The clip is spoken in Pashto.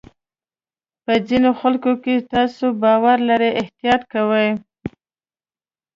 په ځینو خلکو چې تاسو باور لرئ احتیاط کوئ.